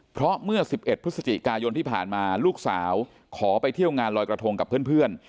เพราะเมื่อ๑๑พฤศจิกายนที่ผ่านมาลูกสาวขอไปเที่ยวงานลอยกระทงกับเพื่อน